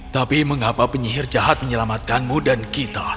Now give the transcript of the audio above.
tapi mengapa penyihir jahat menyelamatkanmu dan kita